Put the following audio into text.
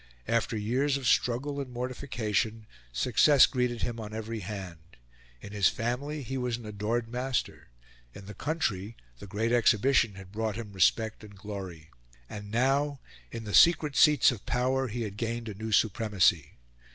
After years of struggle and mortification, success greeted him on every hand. In his family, he was an adored master; in the country, the Great Exhibition had brought him respect and glory; and now in the secret seats of power he had gained a new supremacy.